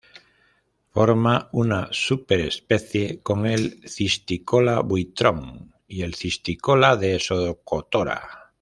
Forma una superespecie con el cistícola buitrón y el cistícola de Socotora.